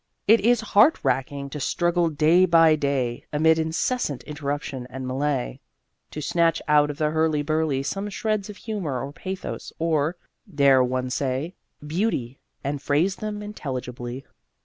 It is heart racking to struggle day by day, amid incessant interruption and melee, to snatch out of the hurly burly some shreds of humour or pathos or (dare one say?) beauty, and phrase them intelligibly.